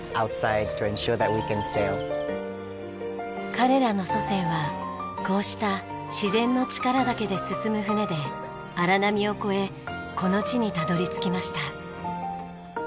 彼らの祖先はこうした自然の力だけで進む船で荒波を越えこの地にたどり着きました。